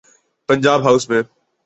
Punjab house میں۔